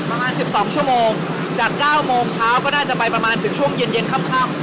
ประมาณสิบสองชั่วโมงจากเก้าโมงเช้าก็น่าจะไปประมาณสิบชั่วโมงเย็นเย็นคร่ำคร่ำ